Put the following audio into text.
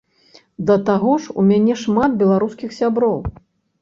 Да таго ж у мяне шмат беларускіх сяброў.